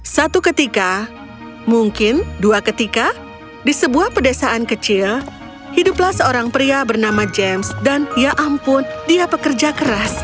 satu ketika mungkin dua ketika di sebuah pedesaan kecil hiduplah seorang pria bernama james dan ya ampun dia pekerja keras